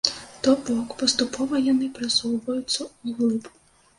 То бок, паступова яны прасоўваюцца ўглыб.